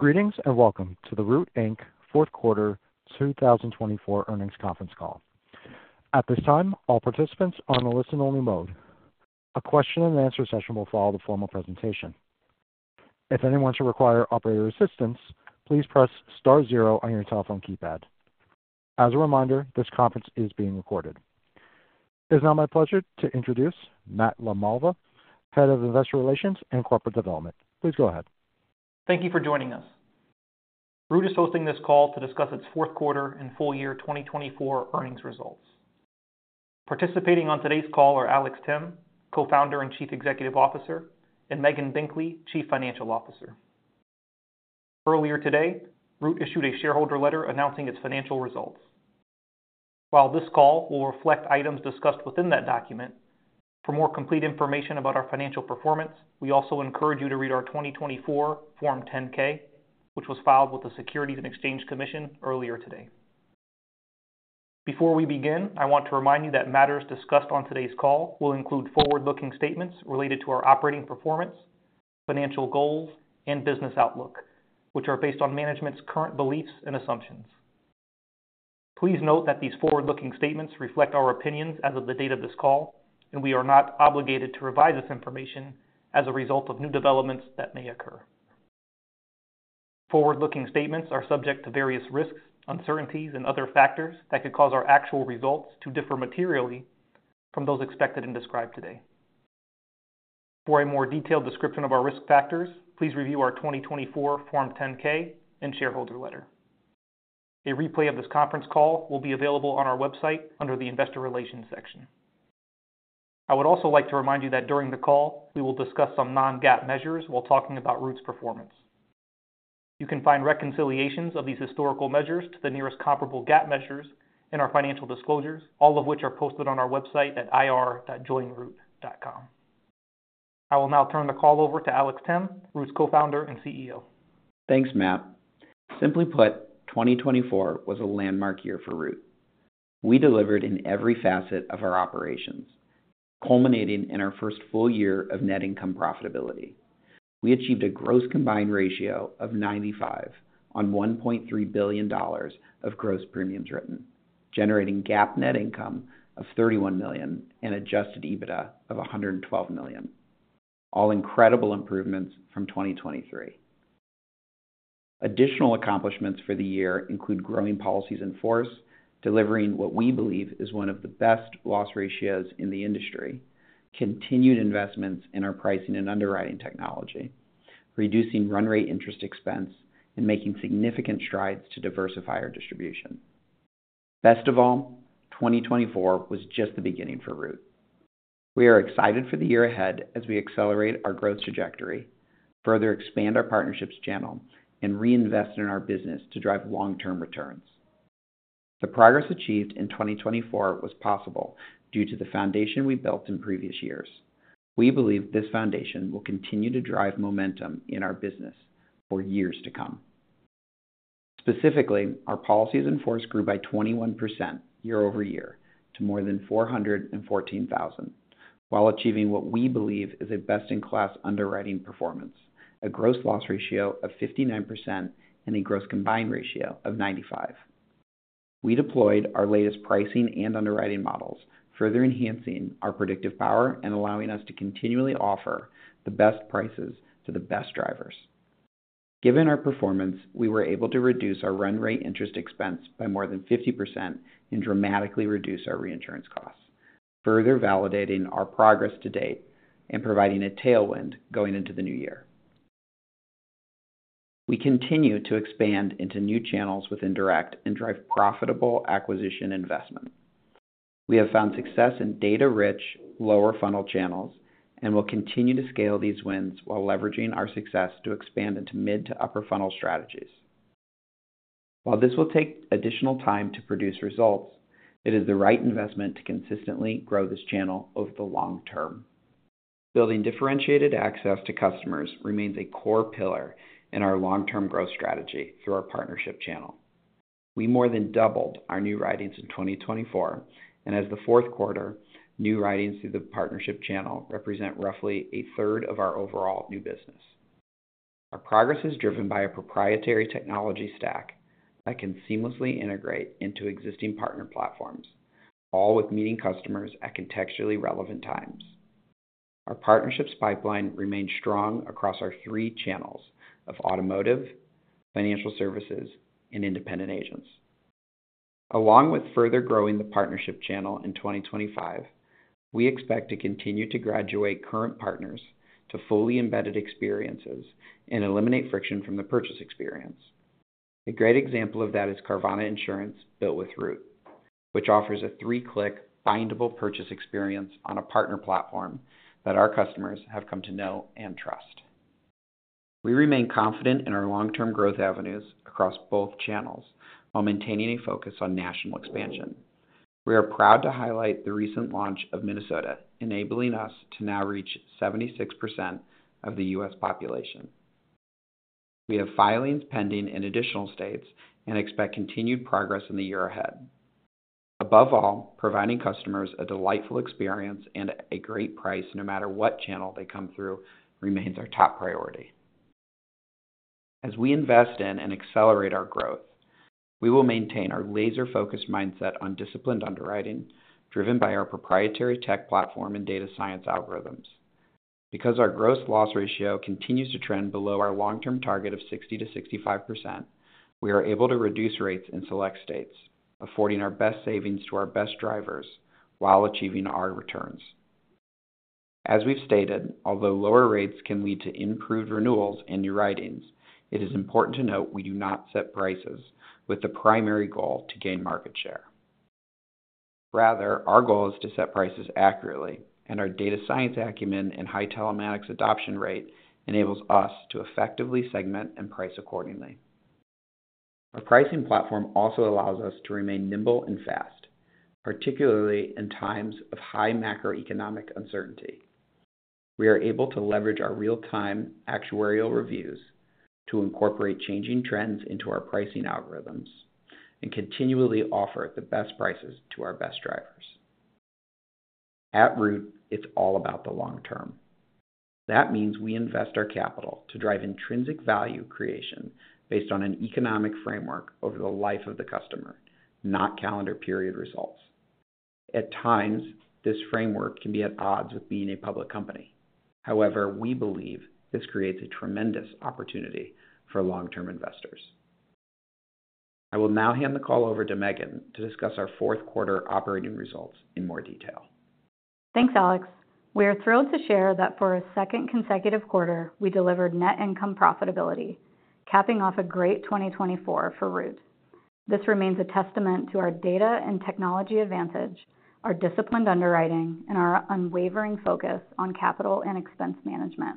Greetings and welcome to the Root Inc Fourth Quarter 2024 Earnings Conference Call. At this time, all participants are on a listen-only mode. A question and answer session will follow the formal presentation. If anyone should require operator assistance, please press star zero on your telephone keypad. As a reminder, this conference is being recorded. It is now my pleasure to introduce Matt LaMalva, Head of Investor Relations and Corporate Development. Please go ahead. Thank you for joining us. Root is hosting this call to discuss its fourth quarter and full year 2024 earnings results. Participating on today's call are Alex Timm, Co-founder and Chief Executive Officer, and Megan Binkley, Chief Financial Officer. Earlier today, Root issued a shareholder letter announcing its financial results. While this call will reflect items discussed within that document, for more complete information about our financial performance, we also encourage you to read our 2024 Form 10-K, which was filed with the Securities and Exchange Commission earlier today. Before we begin, I want to remind you that matters discussed on today's call will include forward-looking statements related to our operating performance, financial goals, and business outlook, which are based on management's current beliefs and assumptions. Please note that these forward-looking statements reflect our opinions as of the date of this call, and we are not obligated to revise this information as a result of new developments that may occur. Forward-looking statements are subject to various risks, uncertainties, and other factors that could cause our actual results to differ materially from those expected and described today. For a more detailed description of our risk factors, please review our 2024 Form 10-K and shareholder letter. A replay of this conference call will be available on our website under the Investor Relations section. I would also like to remind you that during the call, we will discuss some non-GAAP measures while talking about Root's performance. You can find reconciliations of these historical measures to the nearest comparable GAAP measures in our financial disclosures, all of which are posted on our website at ir.joinroot.com. I will now turn the call over to Alex Timm, Root's Co-founder and CEO. Thanks, Matt. Simply put, 2024 was a landmark year for Root. We delivered in every facet of our operations, culminating in our first full year of net income profitability. We achieved a gross combined ratio of 95% on $1.3 billion of gross premiums written, generating GAAP net income of $31 million and adjusted EBITDA of $112 million. All incredible improvements from 2023. Additional accomplishments for the year include growing policies in force, delivering what we believe is one of the best loss ratios in the industry, continued investments in our pricing and underwriting technology, reducing run rate interest expense, and making significant strides to diversify our distribution. Best of all, 2024 was just the beginning for Root. We are excited for the year ahead as we accelerate our growth trajectory, further expand our partnership channel, and reinvest in our business to drive long-term returns. The progress achieved in 2024 was possible due to the foundation we built in previous years. We believe this foundation will continue to drive momentum in our business for years to come. Specifically, our policies in force grew by 21% year-over-year to more than 414,000, while achieving what we believe is a best-in-class underwriting performance, a gross loss ratio of 59%, and a gross combined ratio of 95%. We deployed our latest pricing and underwriting models, further enhancing our predictive power and allowing us to continually offer the best prices to the best drivers. Given our performance, we were able to reduce our run rate interest expense by more than 50% and dramatically reduce our reinsurance costs, further validating our progress to date and providing a tailwind going into the new year. We continue to expand into new channels within direct and drive profitable acquisition investment. We have found success in data-rich, lower-funnel channels and will continue to scale these wins while leveraging our success to expand into mid- to upper-funnel strategies. While this will take additional time to produce results, it is the right investment to consistently grow this channel over the long term. Building differentiated access to customers remains a core pillar in our long-term growth strategy through our partnership channel. We more than doubled our new writings in 2024, and as the fourth quarter, new writings through the partnership channel represent roughly a third of our overall new business. Our progress is driven by a proprietary technology stack that can seamlessly integrate into existing partner platforms, all with meeting customers at contextually relevant times. Our partnerships pipeline remains strong across our three channels of Automotive, Financial Services, and Independent Agents. Along with further growing the partnership channel in 2025, we expect to continue to graduate current partners to fully embedded experiences and eliminate friction from the purchase experience. A great example of that is Carvana Insurance Built with Root, which offers a three-click, bindable purchase experience on a partner platform that our customers have come to know and trust. We remain confident in our long-term growth avenues across both channels while maintaining a focus on national expansion. We are proud to highlight the recent launch of Minnesota, enabling us to now reach 76% of the U.S. population. We have filings pending in additional states and expect continued progress in the year ahead. Above all, providing customers a delightful experience and a great price no matter what channel they come through remains our top priority. As we invest in and accelerate our growth, we will maintain our laser-focused mindset on disciplined underwriting driven by our proprietary tech platform and data science algorithms. Because our gross loss ratio continues to trend below our long-term target of 60%-65%, we are able to reduce rates in select states, affording our best savings to our best drivers while achieving our returns. As we've stated, although lower rates can lead to improved renewals and new writings, it is important to note we do not set prices with the primary goal to gain market share. Rather, our goal is to set prices accurately, and our data science acumen and high telematics adoption rate enables us to effectively segment and price accordingly. Our pricing platform also allows us to remain nimble and fast, particularly in times of high macroeconomic uncertainty. We are able to leverage our real-time actuarial reviews to incorporate changing trends into our pricing algorithms and continually offer the best prices to our best drivers. At Root, it's all about the long term. That means we invest our capital to drive intrinsic value creation based on an economic framework over the life of the customer, not calendar period results. At times, this framework can be at odds with being a public company. However, we believe this creates a tremendous opportunity for long-term investors. I will now hand the call over to Megan to discuss our fourth quarter operating results in more detail. Thanks, Alex. We are thrilled to share that for a second consecutive quarter, we delivered net income profitability, capping off a great 2024 for Root. This remains a testament to our data and technology advantage, our disciplined underwriting, and our unwavering focus on capital and expense management.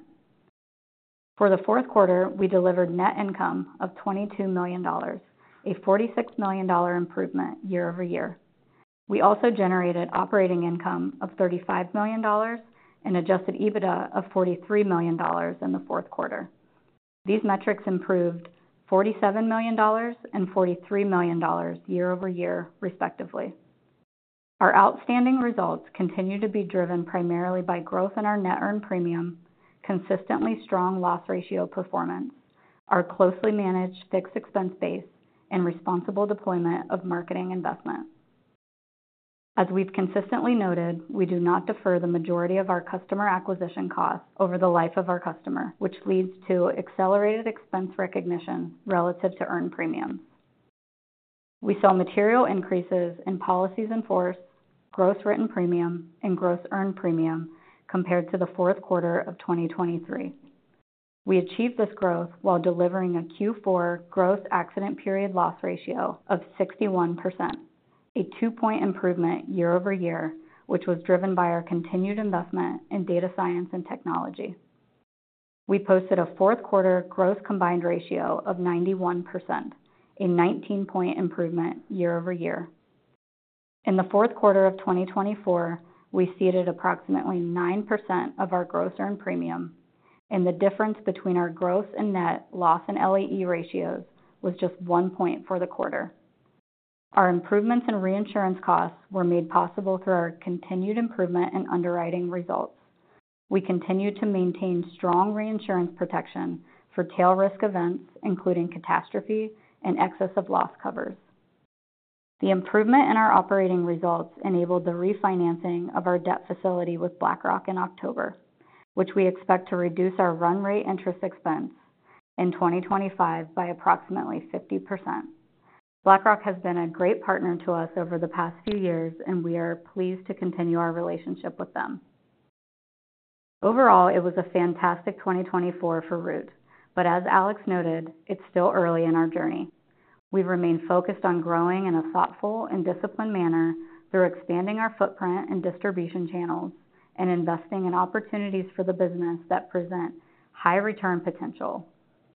For the fourth quarter, we delivered net income of $22 million, a $46 million improvement year-over-year. We also generated operating income of $35 million and adjusted EBITDA of $43 million in the fourth quarter. These metrics improved $47 million and $43 million year-over-year, respectively. Our outstanding results continue to be driven primarily by growth in our net earned premium, consistently strong loss ratio performance, our closely managed fixed expense base, and responsible deployment of marketing investment. As we've consistently noted, we do not defer the majority of our customer acquisition costs over the life of our customer, which leads to accelerated expense recognition relative to earned premiums. We saw material increases in policies in force, gross written premium, and gross earned premium compared to the fourth quarter of 2023. We achieved this growth while delivering a Q4 gross accident period loss ratio of 61%, a two-point improvement year-over-year, which was driven by our continued investment in data science and technology. We posted a fourth quarter gross combined ratio of 91%, a 19-point improvement year-over-year. In the fourth quarter of 2024, we ceded approximately 9% of our gross earned premium, and the difference between our gross and net loss and LAE ratios was just one point for the quarter. Our improvements in reinsurance costs were made possible through our continued improvement in underwriting results. We continue to maintain strong reinsurance protection for tail risk events, including catastrophe and excess of loss covers. The improvement in our operating results enabled the refinancing of our debt facility with BlackRock in October, which we expect to reduce our run rate interest expense in 2025 by approximately 50%. BlackRock has been a great partner to us over the past few years, and we are pleased to continue our relationship with them. Overall, it was a fantastic 2024 for Root, but as Alex noted, it's still early in our journey. We've remained focused on growing in a thoughtful and disciplined manner through expanding our footprint and distribution channels and investing in opportunities for the business that present high return potential,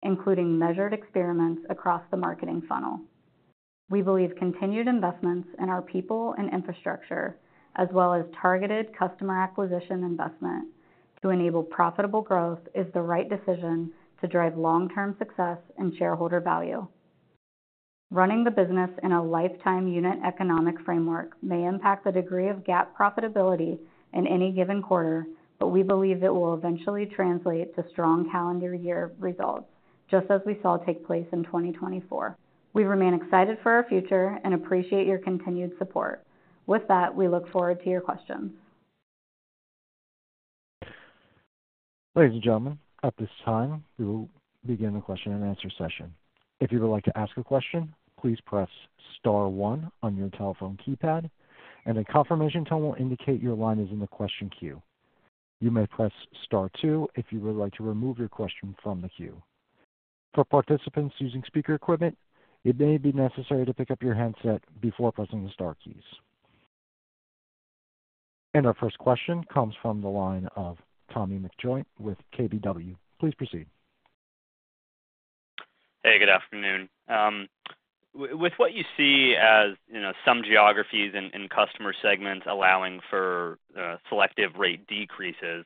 including measured experiments across the marketing funnel. We believe continued investments in our people and infrastructure, as well as targeted customer acquisition investment to enable profitable growth, is the right decision to drive long-term success and shareholder value. Running the business in a lifetime unit economic framework may impact the degree of GAAP profitability in any given quarter, but we believe it will eventually translate to strong calendar year results, just as we saw take place in 2024. We remain excited for our future and appreciate your continued support. With that, we look forward to your questions. Ladies and gentlemen, at this time, we will begin the question and answer session. If you would like to ask a question, please press star one on your telephone keypad, and a confirmation tone will indicate your line is in the question queue. You may press star two if you would like to remove your question from the queue. For participants using speaker equipment, it may be necessary to pick up your handset before pressing the star keys. And our first question comes from the line of Tommy McJoynt with KBW. Please proceed. Hey, good afternoon. With what you see as some geographies and customer segments allowing for selective rate decreases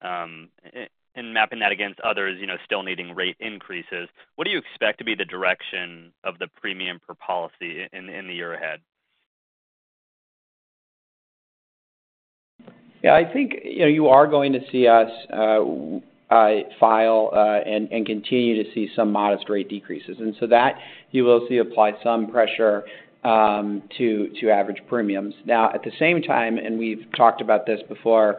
and mapping that against others still needing rate increases, what do you expect to be the direction of the premium per policy in the year ahead? Yeah, I think you are going to see us file and continue to see some modest rate decreases. And so that, you will see, apply some pressure to average premiums. Now, at the same time, and we've talked about this before,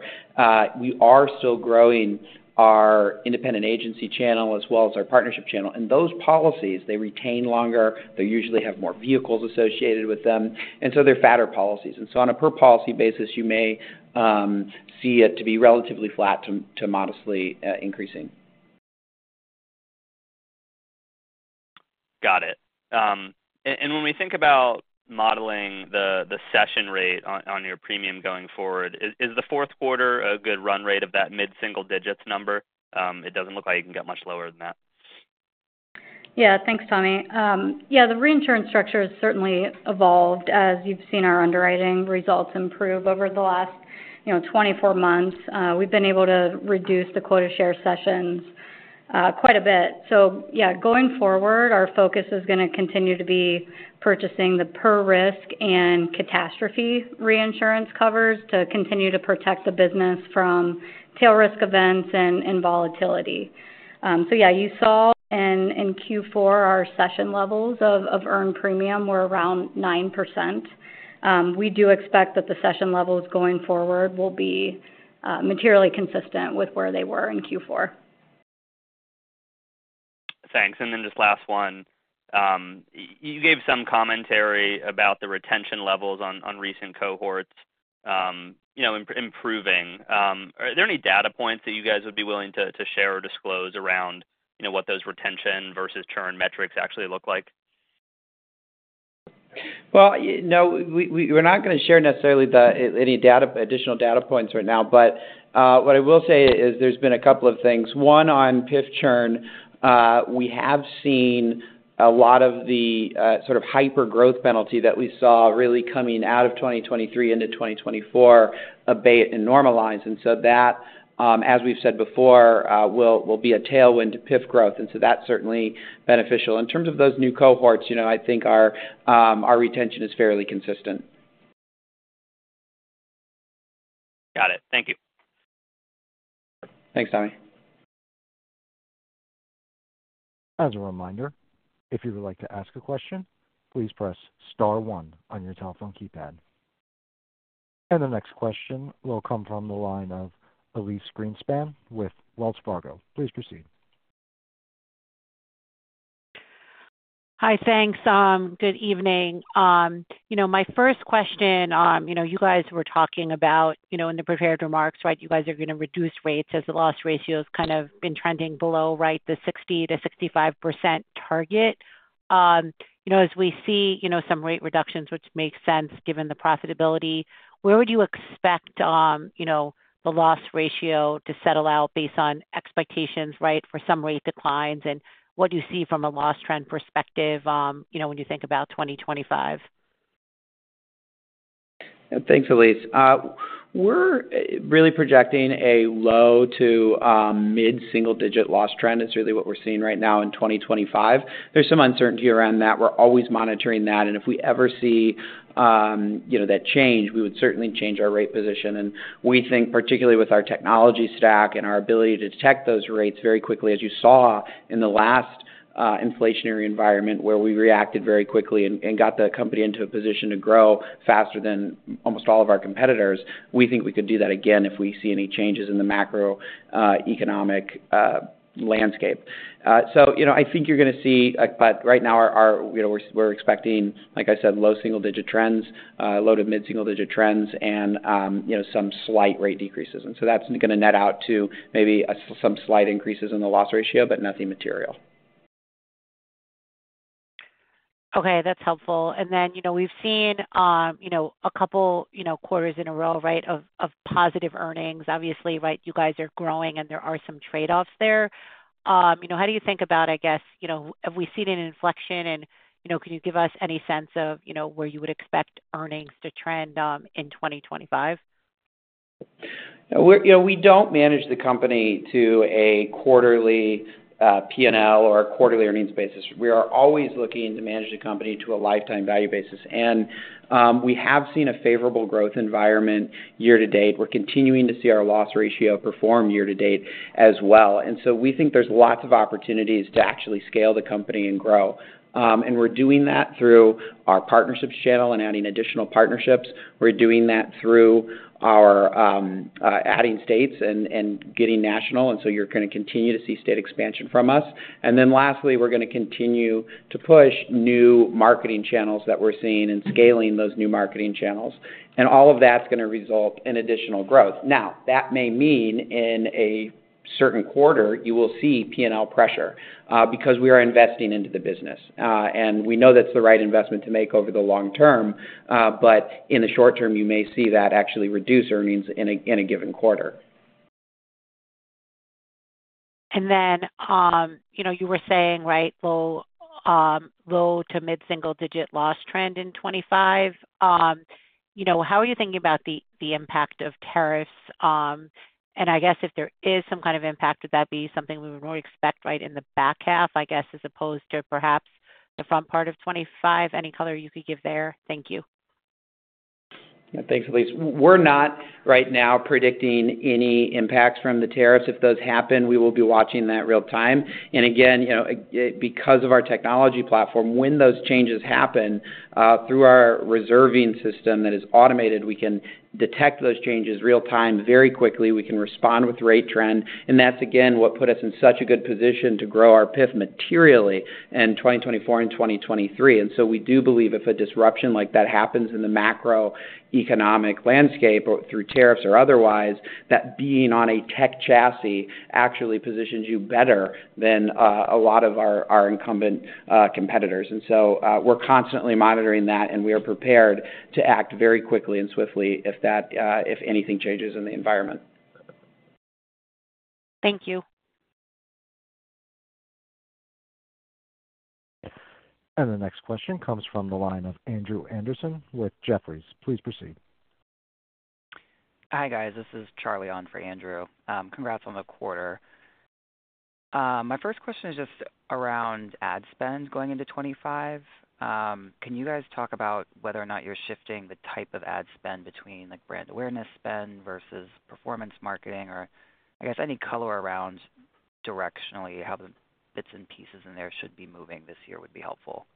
we are still growing our independent agency channel as well as our partnership channel. And those policies, they retain longer. They usually have more vehicles associated with them. And so they're fatter policies. And so on a per policy basis, you may see it to be relatively flat to modestly increasing. Got it. And when we think about modeling the session rate on your premium going forward, is the fourth quarter a good run rate of that mid-single digits number? It doesn't look like you can get much lower than that. Yeah, thanks, Tommy. Yeah, the reinsurance structure has certainly evolved as you've seen our underwriting results improve over the last 24 months. We've been able to reduce the quota share cessions quite a bit. So yeah, going forward, our focus is going to continue to be purchasing the per risk and catastrophe reinsurance covers to continue to protect the business from tail risk events and volatility. So yeah, you saw in Q4 our cession levels of earned premium were around 9%. We do expect that the cession levels going forward will be materially consistent with where they were in Q4. Thanks. And then just last one. You gave some commentary about the retention levels on recent cohorts improving. Are there any data points that you guys would be willing to share or disclose around what those retention versus churn metrics actually look like? Well, no, we're not going to share necessarily any additional data points right now. But what I will say is there's been a couple of things. One, on PIF churn, we have seen a lot of the sort of hyper growth penalty that we saw really coming out of 2023 into 2024 abate and normalize. And so that, as we've said before, will be a tailwind to PIF growth. And so that's certainly beneficial. In terms of those new cohorts, I think our retention is fairly consistent. Got it. Thank you. Thanks, Tommy. As a reminder, if you would like to ask a question, please press star one on your telephone keypad. And the next question will come from the line of Elyse Greenspan with Wells Fargo. Please proceed. Hi, thanks. Good evening. My first question, you guys were talking about in the prepared remarks, right, you guys are going to reduce rates as the loss ratio has kind of been trending below, right, the 60%-65% target. As we see some rate reductions, which makes sense given the profitability, where would you expect the loss ratio to settle out based on expectations, right, for some rate declines? And what do you see from a loss trend perspective when you think about 2025? Thanks, Elyse. We're really projecting a low- to mid-single-digit loss trend is really what we're seeing right now in 2025. There's some uncertainty around that. We're always monitoring that. And if we ever see that change, we would certainly change our rate position. And we think, particularly with our technology stack and our ability to detect those rates very quickly, as you saw in the last inflationary environment where we reacted very quickly and got the company into a position to grow faster than almost all of our competitors, we think we could do that again if we see any changes in the macroeconomic landscape. So I think you're going to see, but right now we're expecting, like I said, low single-digit trends, low- to mid-single-digit trends, and some slight rate decreases. And so that's going to net out to maybe some slight increases in the loss ratio, but nothing material. Okay, that's helpful. And then we've seen a couple quarters in a row, right, of positive earnings. Obviously, right, you guys are growing and there are some trade-offs there. How do you think about, I guess, have we seen an inflection and can you give us any sense of where you would expect earnings to trend in 2025? We don't manage the company to a quarterly P&L or quarterly earnings basis. We are always looking to manage the company to a lifetime value basis, and we have seen a favorable growth environment year to date. We're continuing to see our loss ratio perform year to date as well, and so we think there's lots of opportunities to actually scale the company and grow. We're doing that through our partnerships channel and adding additional partnerships. We're doing that through our adding states and getting national, and so you're going to continue to see state expansion from us, and then lastly, we're going to continue to push new marketing channels that we're seeing and scaling those new marketing channels, and all of that's going to result in additional growth. Now, that may mean in a certain quarter you will see P&L pressure because we are investing into the business. We know that's the right investment to make over the long term but in the short term, you may see that actually reduce earnings in a given quarter. And then you were saying, right, low to mid-single digit loss trend in 2025. How are you thinking about the impact of tariffs? And I guess if there is some kind of impact, would that be something we would more expect, right, in the back half, I guess, as opposed to perhaps the front part of 2025? Any color you could give there? Thank you. Yeah, thanks, Elyse. We're not right now predicting any impacts from the tariffs. If those happen, we will be watching that real time. And again, because of our technology platform, when those changes happen through our reserving system that is automated, we can detect those changes real time very quickly. We can respond with rate trend. And that's, again, what put us in such a good position to grow our PIF materially in 2024 and 2023. And so we do believe if a disruption like that happens in the macroeconomic landscape through tariffs or otherwise, that being on a tech chassis actually positions you better than a lot of our incumbent competitors. And so we're constantly monitoring that, and we are prepared to act very quickly and swiftly if anything changes in the environment. Thank you. And the next question comes from the line of Andrew Andersen with Jefferies. Please proceed. Hi guys, this is Charlie on for Andrew. Congrats on the quarter. My first question is just around ad spend going into 2025. Can you guys talk about whether or not you're shifting the type of ad spend between brand awareness spend versus performance marketing or, I guess, any color around directionally how the bits and pieces in there should be moving this year would be helpful?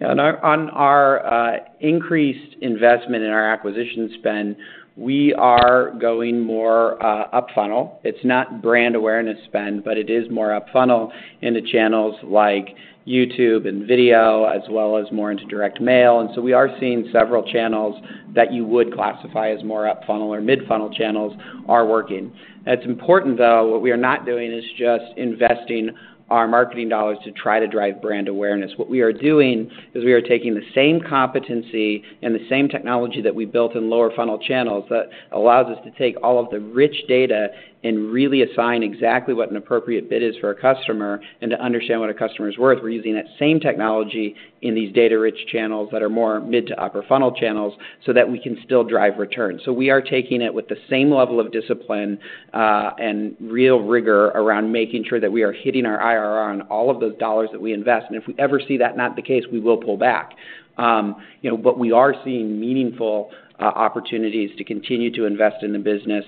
Yeah, on our increased investment in our acquisition spend, we are going more up funnel. It's not brand awareness spend, but it is more up funnel into channels like YouTube and video, as well as more into direct mail. And so we are seeing several channels that you would classify as more up funnel or mid-funnel channels are working. It's important, though, what we are not doing is just investing our marketing dollars to try to drive brand awareness. What we are doing is we are taking the same competency and the same technology that we built in lower funnel channels that allows us to take all of the rich data and really assign exactly what an appropriate bid is for a customer and to understand what a customer is worth. We're using that same technology in these data-rich channels that are more mid to upper funnel channels so that we can still drive return. So we are taking it with the same level of discipline and real rigor around making sure that we are hitting our IRR on all of those dollars that we invest. And if we ever see that not the case, we will pull back. But we are seeing meaningful opportunities to continue to invest in the business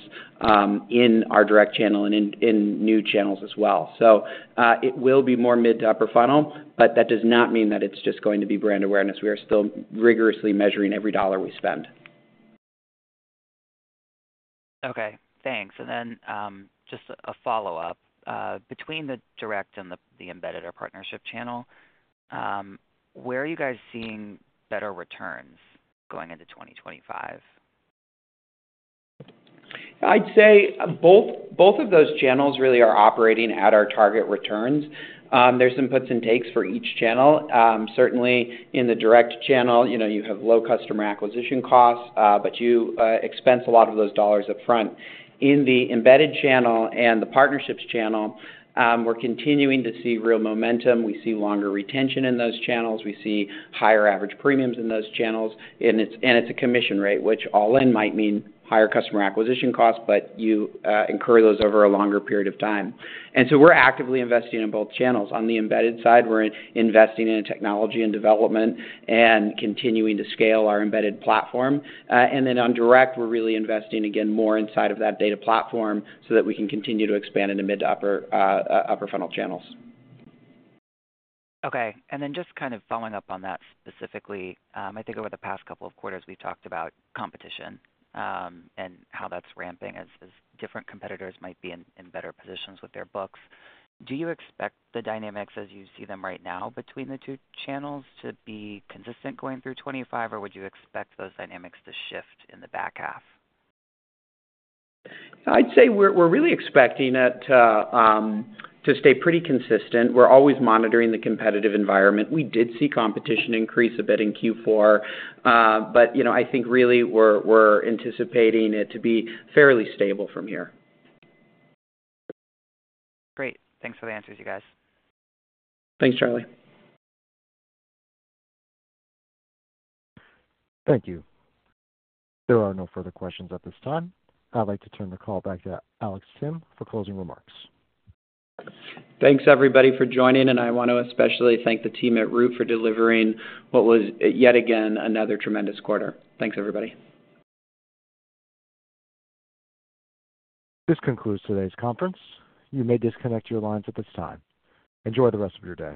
in our direct channel and in new channels as well. So it will be more mid to upper funnel, but that does not mean that it's just going to be brand awareness. We are still rigorously measuring every dollar we spend. Okay, thanks. And then just a follow-up. Between the Direct and the Embedded or Partnership channel, where are you guys seeing better returns going into 2025? I'd say both of those channels really are operating at our target returns. There's some puts and takes for each channel. Certainly, in the direct channel, you have low customer acquisition costs, but you expense a lot of those dollars up front. In the Embedded channel and the Partnerships channel, we're continuing to see real momentum. We see longer retention in those channels. We see higher average premiums in those channels. And it's a commission rate, which all in might mean higher customer acquisition costs, but you incur those over a longer period of time. And so we're actively investing in both channels. On the Embedded side, we're investing in technology and development and continuing to scale our Embedded platform. And then on direct, we're really investing, again, more inside of that Data platform so that we can continue to expand into mid to upper funnel channels. Okay. And then just kind of following up on that specifically, I think over the past couple of quarters, we've talked about competition and how that's ramping as different competitors might be in better positions with their books. Do you expect the dynamics as you see them right now between the two channels to be consistent going through 2025, or would you expect those dynamics to shift in the back half? I'd say we're really expecting it to stay pretty consistent. We're always monitoring the competitive environment. We did see competition increase a bit in Q4, but I think really we're anticipating it to be fairly stable from here. Great. Thanks for the answers, you guys. Thanks, Charlie. Thank you. There are no further questions at this time. I'd like to turn the call back to Alex Timm for closing remarks. Thanks, everybody, for joining. And I want to especially thank the team at Root for delivering what was yet again another tremendous quarter. Thanks, everybody. This concludes today's conference. You may disconnect your lines at this time. Enjoy the rest of your day.